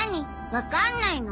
わかんないの？